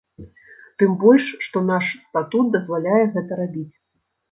Тым больш што наш статут дазваляе гэта рабіць.